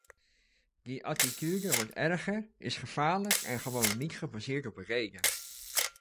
Die attitude wordt erger, is gevaarlijk en gewoonlijk niet gebaseerd op rede.